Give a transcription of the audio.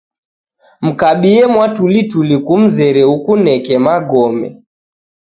Mkabie mwatulituli kumzere ukuneneke magome